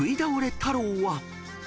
太郎は］